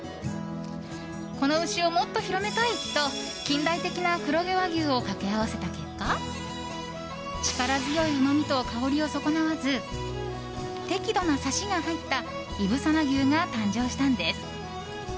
この牛をもっと広めたいと近代的な黒毛和牛をかけ合わせた結果力強いうまみと香りを損なわず適度なサシが入ったいぶさな牛が誕生したんです。